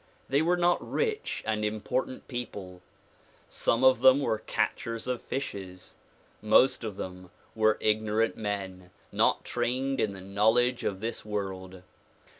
They were not rich and important people. Some of them were catchers of fishes. Most of them were ignorant men not trained in the knowledge of this world.